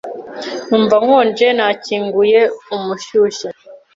Numva nkonje, nakinguye umushyushya.